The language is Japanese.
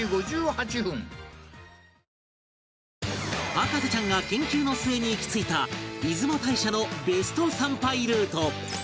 博士ちゃんが研究の末に行き着いた出雲大社のベスト参拝ルート